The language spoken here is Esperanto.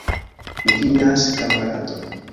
Mi finas, kamaradoj!